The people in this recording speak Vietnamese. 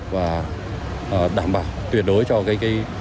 và đảm bảo tuyệt đối cho thời gian